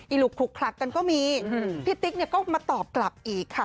ลุกคลุกคลักกันก็มีพี่ติ๊กเนี่ยก็มาตอบกลับอีกค่ะ